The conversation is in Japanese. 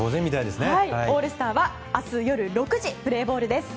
オールスターは明日夜６時プレーボールです。